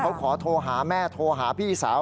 เขาขอโทรหาแม่โทรหาพี่สาว